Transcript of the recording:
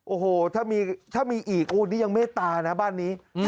โอ้โหถ้ามีอีกโอ้นี่ยังเมตตานะบ้านนี้